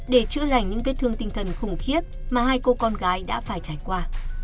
để chữa lành những vết thương tinh thần khủng khiếp mà hai cô con gái đã phải trải qua